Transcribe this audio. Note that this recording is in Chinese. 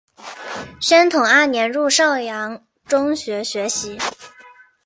宣统二年入邵阳中学学习。